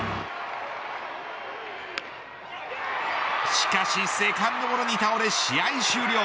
しかし、セカンドゴロに倒れ試合終了。